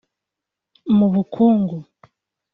Mu bukungu